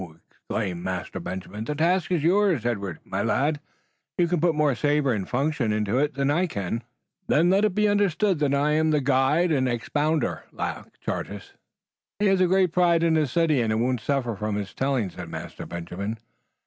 exclaimed Master Benjamin. "The task is yours, Edward, my lad. You can put more savor and unction into it than I can." "Then let it be understood that I'm the guide and expounder," laughed Charteris. "He has a great pride in his city, and it won't suffer from his telling," said Master Benjamin.